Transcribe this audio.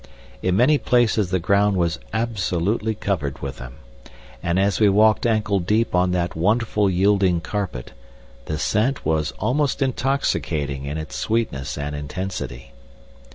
In many places the ground was absolutely covered with them, and as we walked ankle deep on that wonderful yielding carpet, the scent was almost intoxicating in its sweetness and intensity.